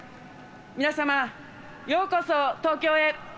皆様、ようこそ東京へ。